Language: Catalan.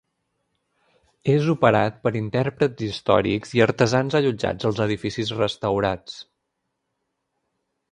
És operat per intèrprets històrics i artesans allotjats als edificis restaurats.